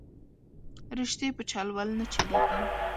رشتې په چل ول نه چلېږي